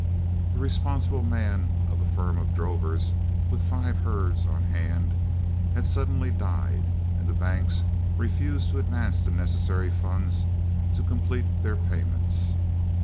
The responsible man of a firm of drovers, with five herds on hand, had suddenly died, and the banks refused to advance the necessary funds to complete their payments.